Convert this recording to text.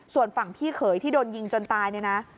ส่วนฝั่งพี่เขยที่โดนยิงจนตาย